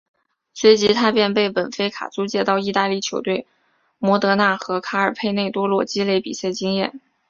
随即他便被本菲卡租借到意大利球队摩德纳和卡尔佩内多洛积累比赛经验。